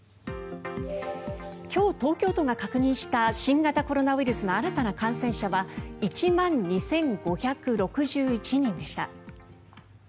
今日、東京都が確認した新型コロナウイルスの新たな感染者は１万２５６１人でした。